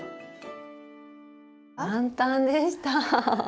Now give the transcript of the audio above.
簡単でした！